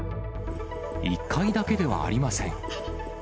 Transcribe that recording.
１回だけではありません。